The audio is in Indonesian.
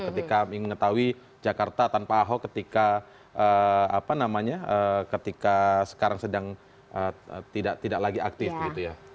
ketika ingin mengetahui jakarta tanpa ahok ketika apa namanya ketika sekarang sedang tidak lagi aktif gitu ya